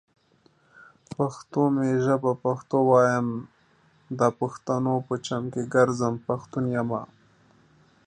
پښتو می ژبه پښتو وايم، دا پښتنو په چم کې ګرځم ، پښتون يمه